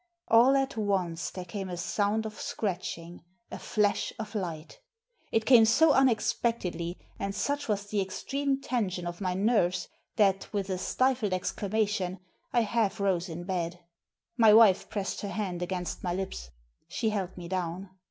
All at once there came a sound of scratching^, a flash of light It came so unexpectedly, and such was the extreme tension of my nerves, that, with a stifled exclamation, I half rose in bed. My wife pressed her hand against my lips. She held me down.